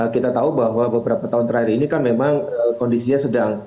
kita tahu bahwa beberapa tahun terakhir ini kan memang kondisinya sedang